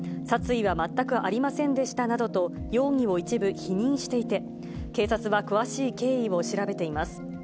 殺意は全くありませんでしたなどと、容疑を一部否認していて、警察は詳しい経緯を調べています。